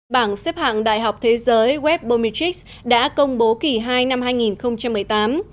bảng xếp hạng đại học thế giới webbomitrix đã công bố kỳ hai năm hai nghìn một mươi tám